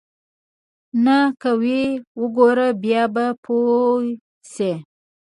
نه که ويې وګورې بيا به پوى شې.